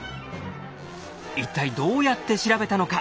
一体どうやって調べたのか？